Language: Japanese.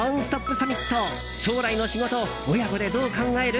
サミット将来の仕事親子でどう考える？